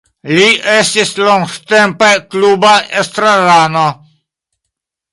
Li estis longtempe kluba estrarano.